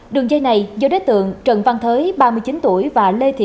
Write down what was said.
đường dây này do đối tượng trần văn thới ba mươi chín tuổi